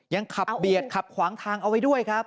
ยังขับเบียดขับขวางทางเอาไว้ด้วยครับ